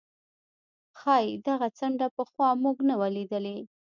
ښايي دغه څنډه پخوا موږ نه وه لیدلې.